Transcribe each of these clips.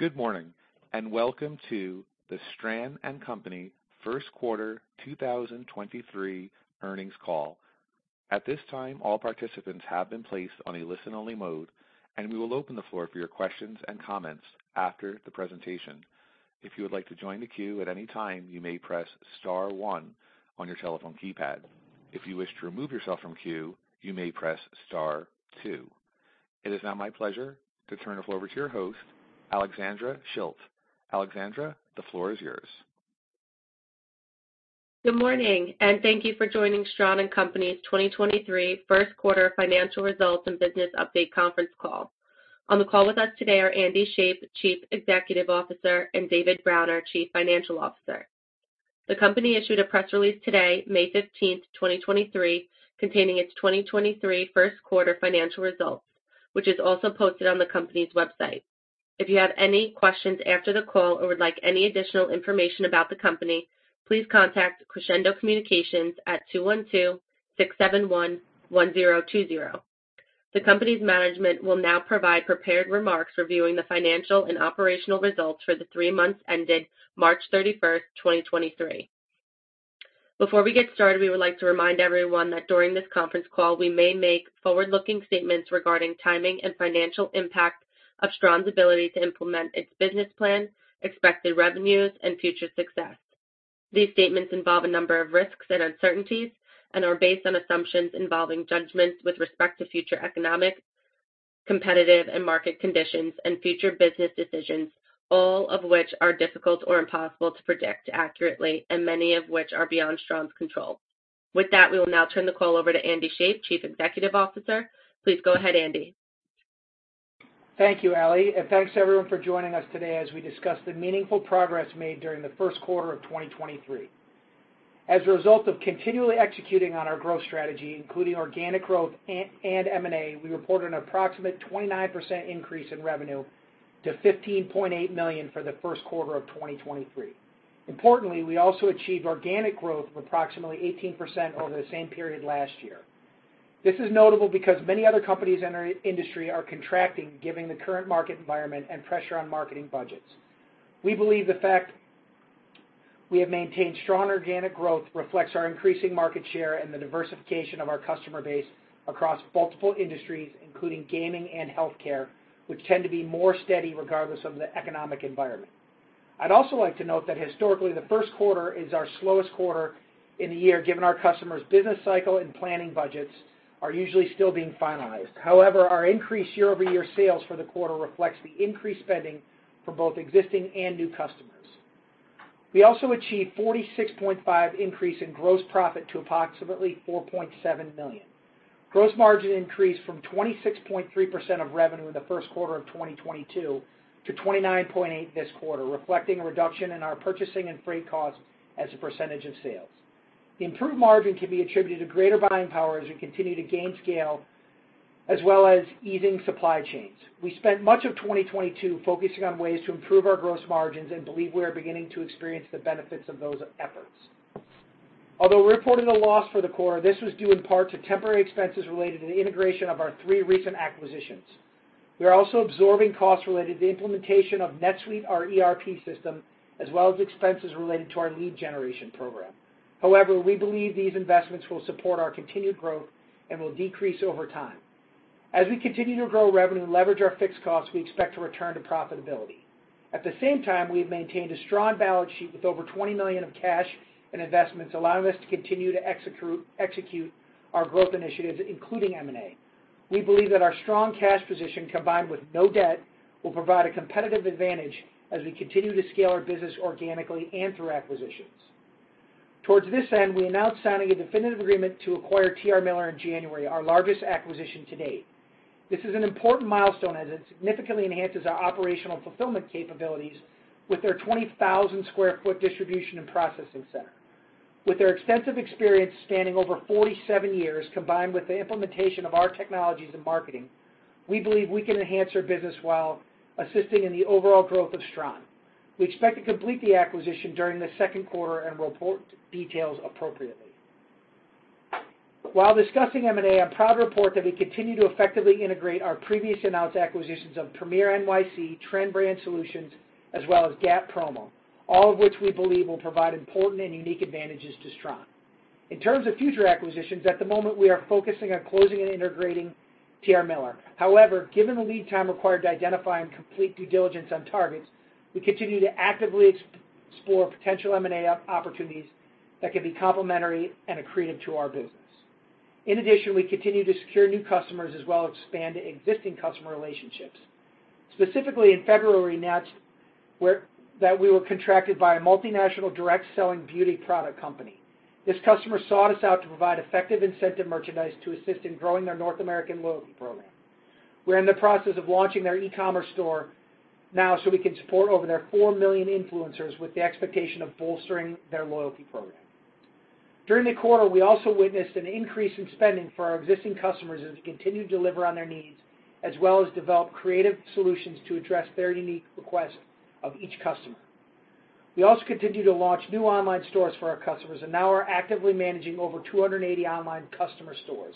Good morning, welcome to the Stran & Company First Quarter 2023 earnings call. At this time, all participants have been placed on a listen-only mode, and we will open the floor for your questions and comments after the presentation. If you would like to join the queue at any time, you may press star one on your telephone keypad. If you wish to remove yourself from queue, you may press star two. It is now my pleasure to turn the floor over to your host, Alexandra Schilt. Alexandra, the floor is yours. Good morning, and thank you for joining Stran & Company's 2023 First Quarter Financial Results and Business Update conference call. On the call with us today are Andy Shape, Chief Executive Officer, and David Browner, our Chief Financial Officer. The company issued a press release today, May 15th, 2023, containing its 2023 first quarter financial results, which is also posted on the company's website. If you have any questions after the call or would like any additional information about the company, please contact Crescendo Communications at 212-671-1020. The company's management will now provide prepared remarks reviewing the financial and operational results for the three months ended March 31st, 2023. Before we get started, we would like to remind everyone that during this conference call, we may make forward-looking statements regarding timing and financial impact of Stran's ability to implement its business plan, expected revenues, and future success. These statements involve a number of risks and uncertainties and are based on assumptions involving judgments with respect to future economic, competitive, and market conditions and future business decisions, all of which are difficult or impossible to predict accurately, and many of which are beyond Stran's control. We will now turn the call over to Andy Shape, Chief Executive Officer. Please go ahead, Andy. Thank you, Ale, and thanks everyone for joining us today as we discuss the meaningful progress made during the first quarter of 2023. As a result of continually executing on our growth strategy, including organic growth and M&A, we reported an approximate 29% increase in revenue to $15.8 million for the first quarter of 2023. Importantly, we also achieved organic growth of approximately 18% over the same period last year. This is notable because many other companies in our industry are contracting given the current market environment and pressure on marketing budgets. We believe the fact we have maintained strong organic growth reflects our increasing market share and the diversification of our customer base across multiple industries, including gaming and healthcare, which tend to be more steady regardless of the economic environment. I'd also like to note that historically, the first quarter is our slowest quarter in the year, given our customers' business cycle and planning budgets are usually still being finalized. However, our increased year-over-year sales for the quarter reflects the increased spending for both existing and new customers. We also achieved 46.5% increase in gross profit to approximately $4.7 million. Gross margin increased from 26.3% of revenue in the first quarter of 2022 to 29.8% this quarter, reflecting a reduction in our purchasing and freight costs as a percentage of sales. The improved margin can be attributed to greater buying power as we continue to gain scale, as well as easing supply chains. We spent much of 2022 focusing on ways to improve our gross margins and believe we are beginning to experience the benefits of those efforts. We reported a loss for the quarter, this was due in part to temporary expenses related to the integration of our three recent acquisitions. We are also absorbing costs related to the implementation of NetSuite, our ERP system, as well as expenses related to our lead generation program. We believe these investments will support our continued growth and will decrease over time. We continue to grow revenue and leverage our fixed costs, we expect to return to profitability. At the same time, we have maintained a strong balance sheet with over $20 million of cash and investments, allowing us to continue to execute our growth initiatives, including M&A. We believe that our strong cash position, combined with no debt, will provide a competitive advantage as we continue to scale our business organically and through acquisitions. Towards this end, we announced signing a definitive agreement to acquire T.R. Miller in January, our largest acquisition to date. This is an important milestone as it significantly enhances our operational fulfillment capabilities with their 20,000 sq ft distribution and processing center. With their extensive experience spanning over 47 years, combined with the implementation of our technologies and marketing, we believe we can enhance their business while assisting in the overall growth of Stran. We expect to complete the acquisition during the second quarter and report details appropriately. While discussing M&A, I'm proud to report that we continue to effectively integrate our previous announced acquisitions of Premier NYC, Trend Brand Solutions, as well as GAP Promo, all of which we believe will provide important and unique advantages to Stran. In terms of future acquisitions, at the moment, we are focusing on closing and integrating T.R. Miller. Given the lead time required to identify and complete due diligence on targets, we continue to actively explore potential M&A opportunities that can be complementary and accretive to our business. We continue to secure new customers as well as expand existing customer relationships. Specifically, in February, we announced that we were contracted by a multinational direct selling beauty product company. This customer sought us out to provide effective incentive merchandise to assist in growing their North American loyalty program. We're in the process of launching their e-commerce store now so we can support over their 4 million influencers with the expectation of bolstering their loyalty program. During the quarter, we also witnessed an increase in spending for our existing customers as we continue to deliver on their needs, as well as develop creative solutions to address their unique requests of each customer. We also continue to launch new online stores for our customers and now are actively managing over 280 online customer stores.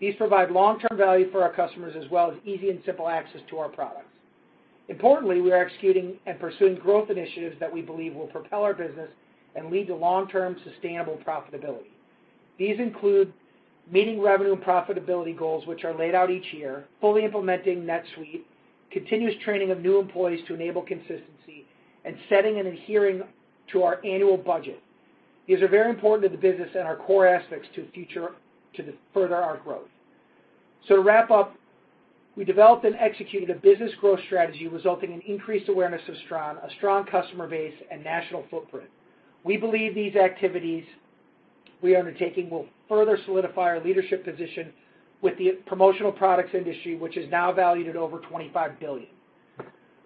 These provide long-term value for our customers as well as easy and simple access to our products. Importantly, we are executing and pursuing growth initiatives that we believe will propel our business and lead to long-term sustainable profitability. These include meeting revenue and profitability goals, which are laid out each year, fully implementing NetSuite, continuous training of new employees to enable consistency, and setting and adhering to our annual budget. These are very important to the business and our core aspects to further our growth. To wrap up, we developed and executed a business growth strategy resulting in increased awareness of Stran, a strong customer base, and national footprint. We believe these activities we are undertaking will further solidify our leadership position with the promotional products industry, which is now valued at over $25 billion.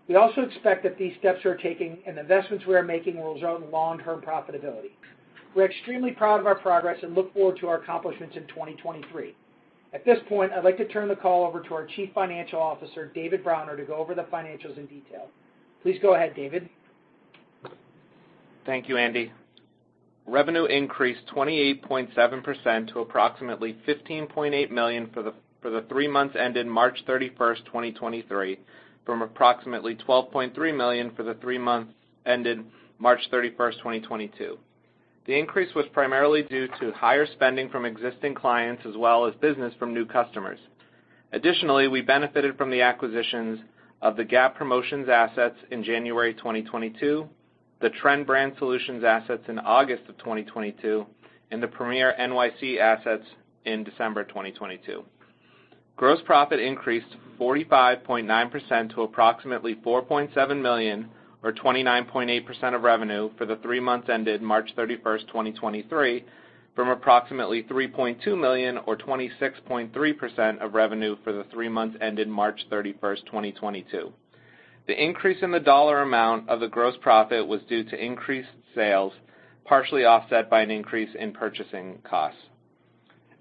We also expect that these steps we are taking and investments we are making will drive long-term profitability. We're extremely proud of our progress and look forward to our accomplishments in 2023. At this point, I'd like to turn the call over to our Chief Financial Officer, David Browner, to go over the financials in detail. Please go ahead, David. Thank you, Andy. Revenue increased 28.7% to approximately $15.8 million for the three months ended March 31, 2023, from approximately $12.3 million for the three months ended March 31, 2022. The increase was primarily due to higher spending from existing clients as well as business from new customers. We benefited from the acquisitions of the GAP Promotions assets in January 2022, the Trend Brand Solutions assets in August 2022, and the Premier NYC assets in December 2022. Gross profit increased 45.9% to approximately $4.7 million or 29.8% of revenue for the three months ended March 31, 2023, from approximately $3.2 million or 26.3% of revenue for the three months ended March 31, 2022. The increase in the dollar amount of the gross profit was due to increased sales, partially offset by an increase in purchasing costs.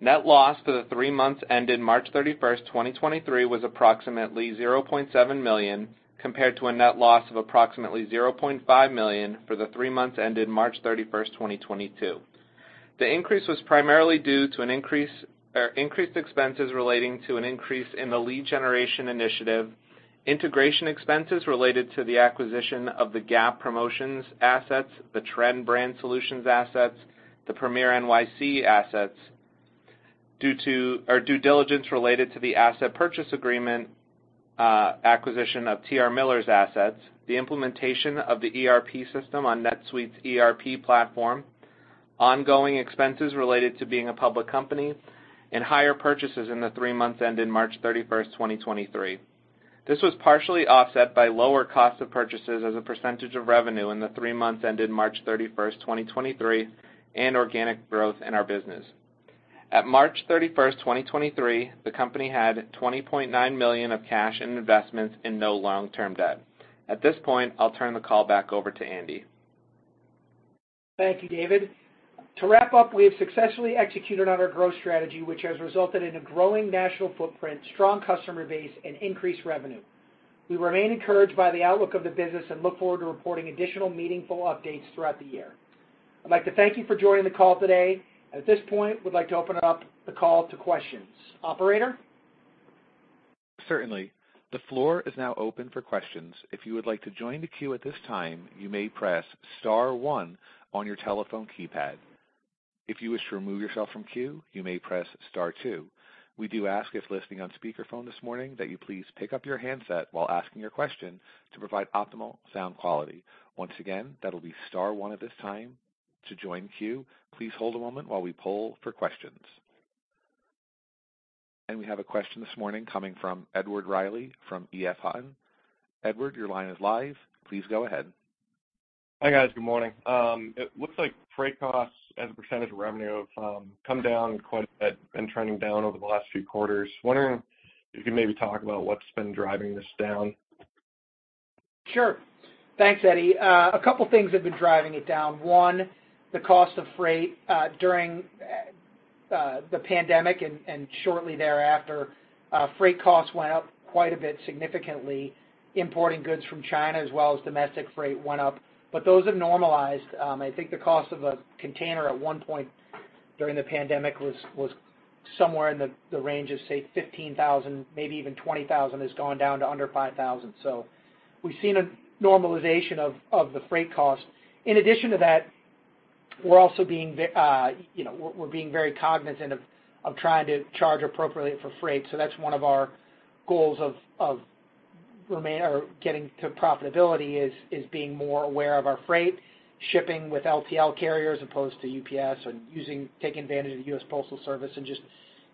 Net loss for the three months ended March 31st, 2023, was approximately $0.7 million, compared to a net loss of approximately $0.5 million for the three months ended March 31st, 2022. The increase was primarily due to increased expenses relating to an increase in the lead generation initiative, integration expenses related to the acquisition of the GAP Promotions assets, the Trend Brand Solutions assets, the Premier NYC assets, due diligence related to the asset purchase agreement, acquisition of T.R. Miller's assets, the implementation of the ERP system on NetSuite's ERP platform, ongoing expenses related to being a public company, and higher purchases in the three months ended March 31st, 2023. This was partially offset by lower cost of purchases as a percentage of revenue in the three months ended March 31st, 2023, and organic growth in our business. At March 31st, 2023, the company had $20.9 million of cash and investments and no long-term debt. At this point, I'll turn the call back over to Andy. Thank you, David. To wrap up, we have successfully executed on our growth strategy, which has resulted in a growing national footprint, strong customer base, and increased revenue. We remain encouraged by the outlook of the business and look forward to reporting additional meaningful updates throughout the year. I'd like to thank you for joining the call today. At this point, we'd like to open up the call to questions. Operator? Certainly. The floor is now open for questions. If you would like to join the queue at this time, you may press star one on your telephone keypad. If you wish to remove yourself from queue, you may press star two. We do ask if listening on speakerphone this morning that you please pick up your handset while asking your question to provide optimal sound quality. Once again, that'll be star one at this time to join queue. Please hold a moment while we poll for questions. We have a question this morning coming from Edward Riley from EF Hutton. Edward, your line is live. Please go ahead. Hi, guys. Good morning. It looks like freight costs as a percentage of revenue have come down quite a bit and trending down over the last few quarters. Wondering if you could maybe talk about what's been driving this down? Sure. Thanks, Eddie. A couple things have been driving it down. One, the cost of freight, during the pandemic and shortly thereafter, freight costs went up quite a bit significantly. Importing goods from China as well as domestic freight went up. Those have normalized. I think the cost of a container at one point during the pandemic was somewhere in the range of, say, $15,000, maybe even $20,000, has gone down to under $5,000. We've seen a normalization of the freight costs. In addition to that, we're also being, you know, we're being very cognizant of trying to charge appropriately for freight. That's one of our goals of getting to profitability is being more aware of our freight, shipping with LTL carriers opposed to UPS and using taking advantage of the US Postal Service and just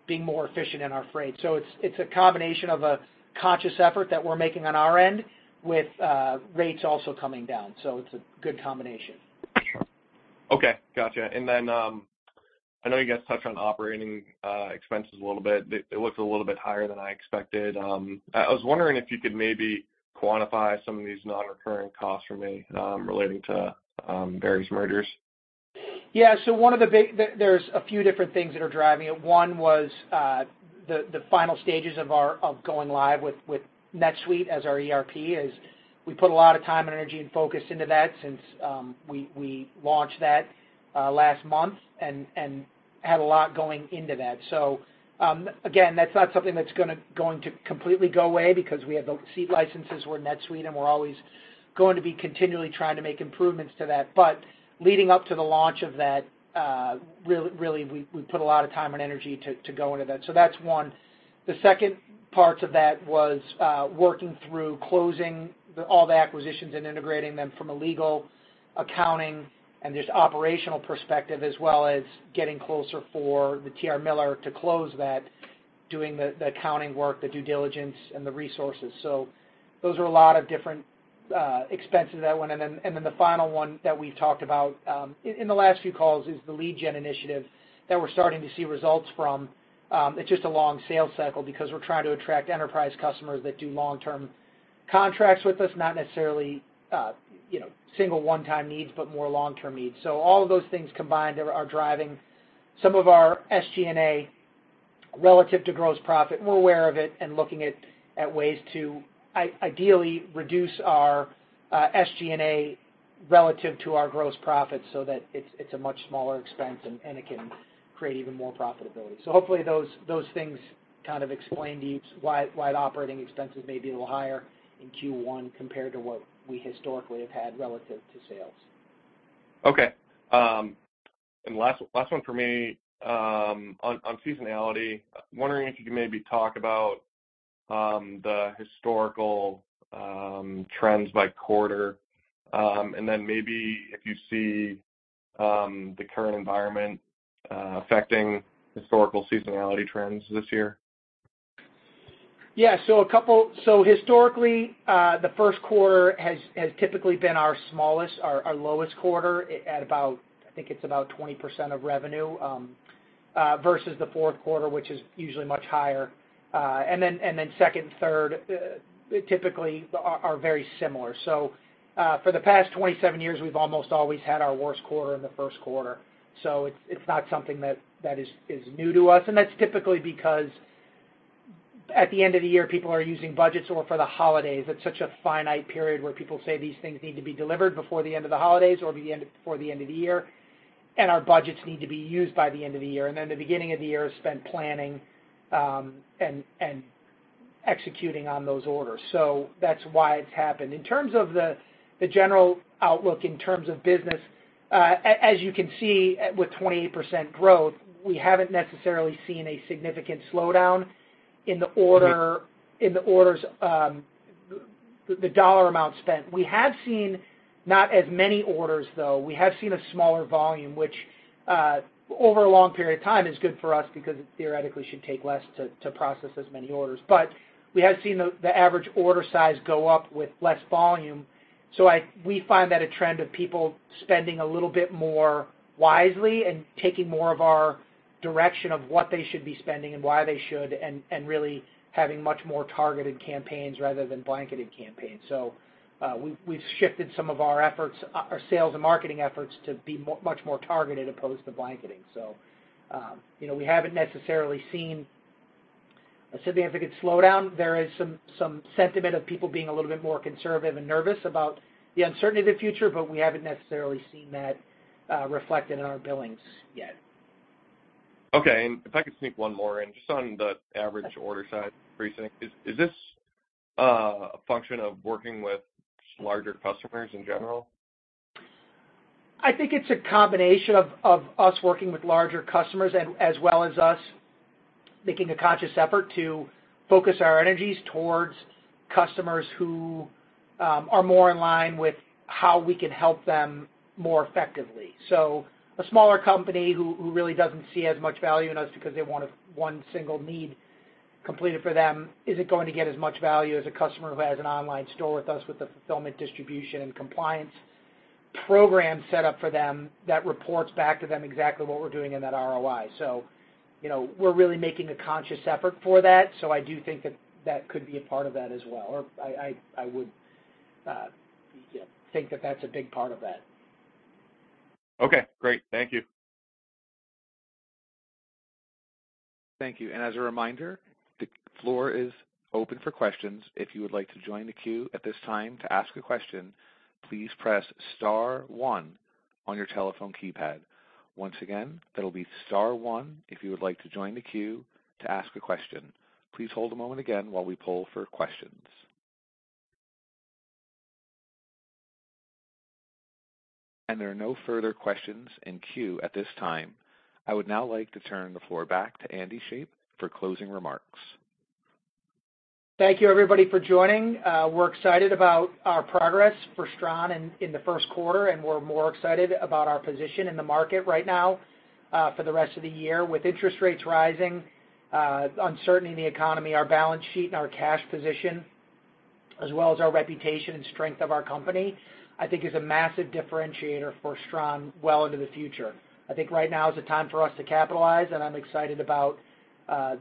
being more efficient in our freight. It's a combination of a conscious effort that we're making on our end with rates also coming down. It's a good combination. Okay, gotcha. I know you guys touched on operating expenses a little bit. It looks a little bit higher than I expected. I was wondering if you could maybe quantify some of these non-recurring costs for me, relating to various mergers. There's a few different things that are driving it. One was the final stages of going live with NetSuite as our ERP is. We put a lot of time and energy and focus into that since we launched that last month and had a lot going into that. Again, that's not something that's going to completely go away because we have the seed licenses with NetSuite, and we're always going to be continually trying to make improvements to that. Leading up to the launch of that, really, we put a lot of time and energy to go into that. That's one. The second parts of that was working through closing all the acquisitions and integrating them from a legal, accounting, and just operational perspective, as well as getting closer for the T.R. Miller to close that, doing the accounting work, the due diligence, and the resources. Those are a lot of different expenses that went in. Then the final one that we've talked about in the last few calls is the lead gen initiative that we're starting to see results from. It's just a long sales cycle because we're trying to attract enterprise customers that do long-term contracts with us, not necessarily, you know, single one-time needs, but more long-term needs. All of those things combined are driving some of our SG&A relative to gross profit. We're aware of it and looking at ways to ideally reduce our SG&A relative to our gross profit so that it's a much smaller expense and it can create even more profitability. Hopefully those things kind of explain why the operating expenses may be a little higher in Q1 compared to what we historically have had relative to sales. Okay. Last, last one for me. On, on seasonality, wondering if you could maybe talk about the historical trends by quarter. Then maybe if you see the current environment affecting historical seasonality trends this year. Yeah. A couple... Historically, the first quarter has typically been our smallest, our lowest quarter at about, I think it's about 20% of revenue, versus the fourth quarter, which is usually much higher. Second and third, typically are very similar. For the past 27 years, we've almost always had our worst quarter in the first quarter. It's not something that is new to us. That's typically because at the end of the year, people are using budgets or for the holidays. It's such a finite period where people say these things need to be delivered before the end of the holidays or before the end of the year, and our budgets need to be used by the end of the year. The beginning of the year is spent planning and executing on those orders. That's why it's happened. In terms of the general outlook, in terms of business, as you can see, with 28% growth, we haven't necessarily seen a significant slowdown in the orders, the dollar amount spent. We have seen not as many orders, though. We have seen a smaller volume, which over a long period of time is good for us because it theoretically should take less to process as many orders. We have seen the average order size go up with less volume. We find that a trend of people spending a little bit more wisely and taking more of our direction of what they should be spending and why they should, and really having much more targeted campaigns rather than blanketed campaigns. We've shifted some of our efforts, our sales and marketing efforts to be much more targeted as opposed to blanketing. You know, we haven't necessarily seen a significant slowdown. There is some sentiment of people being a little bit more conservative and nervous about the uncertainty of the future, but we haven't necessarily seen that reflected in our billings yet. Okay. If I could sneak one more in, just on the average order size briefing. Is this a function of working with larger customers in general? I think it's a combination of us working with larger customers as well as us making a conscious effort to focus our energies towards customers who are more in line with how we can help them more effectively. A smaller company who really doesn't see as much value in us because they want a one single need completed for them isn't going to get as much value as a customer who has an online store with us with the fulfillment, distribution, and compliance program set up for them that reports back to them exactly what we're doing in that ROI. You know, we're really making a conscious effort for that, so I do think that that could be a part of that as well, or I would, yeah, think that that's a big part of that. Okay, great. Thank you. Thank you. As a reminder, the floor is open for questions. If you would like to join the queue at this time to ask a question, please press star one on your telephone keypad. Once again, that'll be star one if you would like to join the queue to ask a question. Please hold a moment again while we poll for questions. There are no further questions in queue at this time. I would now like to turn the floor back to Andy Shape for closing remarks. Thank you everybody for joining. We're excited about our progress for Stran in the first quarter, and we're more excited about our position in the market right now, for the rest of the year. With interest rates rising, uncertainty in the economy, our balance sheet and our cash position, as well as our reputation and strength of our company, I think is a massive differentiator for Stran well into the future. I think right now is the time for us to capitalize, and I'm excited about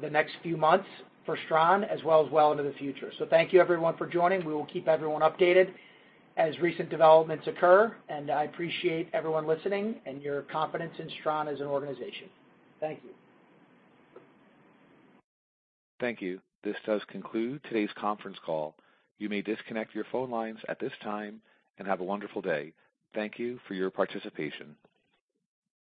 the next few months for Stran as well as well into the future. Thank you everyone for joining. We will keep everyone updated as recent developments occur, and I appreciate everyone listening and your confidence in Stran as an organization. Thank you. Thank you. This does conclude today's conference call. You may disconnect your phone lines at this time, and have a wonderful day. Thank you for your participation.